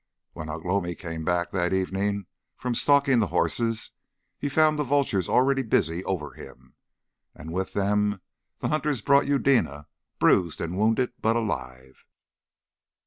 (When Ugh lomi came back that evening from stalking the horses, he found the vultures already busy over him.) And with them the hunters brought Eudena bruised and wounded, but alive.